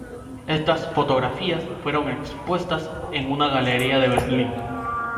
Estas fotografías fueron expuestas en una galería en Berlín.